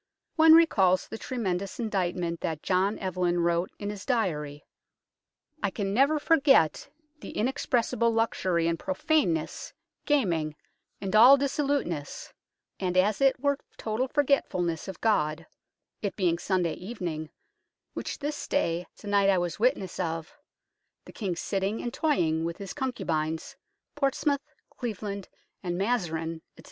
One recalls that tremendous indictment that John Evelyn wrote in his Diary : "I can never forget the in expressible luxury and profane ness, gaming, and 212 UNKNOWN LONDON all dissoluteness, and as it were total forgetful ness of God (it being Sunday evening) which this day se'nnight I was witness of, the King sitting and toying with his concubines, Portsmouth, Cleveland, and Mazarin, etc.